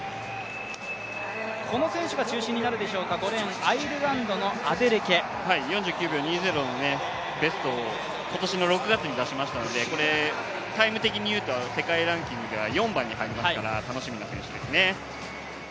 この選手が中心になるでしょうか、５レーン、アイルランドの４９秒２０のベストを今年の６月に出しましたのでタイム的にいうと世界ランキングでは４番に入りますから楽しみな選手ですね。